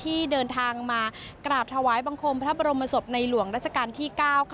ที่เดินทางมากราบถวายบังคมพระบรมศพในหลวงราชการที่๙